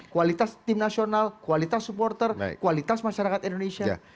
kualitas tim nasional kualitas supporter kualitas masyarakat indonesia